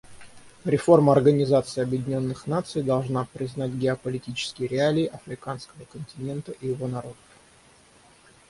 Реформа Организации Объединенных Наций должна признать геополитические реалии африканского континента и его народов.